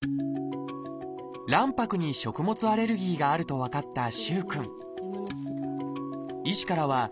卵白に食物アレルギーがあると分かった萩くん。